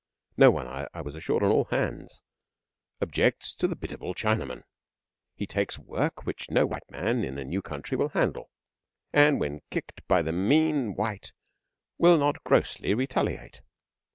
No one, I was assured on all hands, objects to the biddable Chinaman. He takes work which no white man in a new country will handle, and when kicked by the mean white will not grossly retaliate.